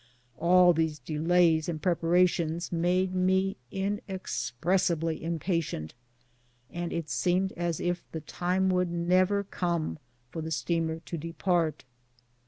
All these delays and preparations made me inexpressibly impatient, and it seemed as if the time would never come for the steamer to depart.